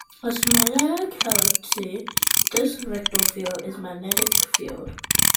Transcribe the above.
As to magnetic helicity, this "vector field" is magnetic field.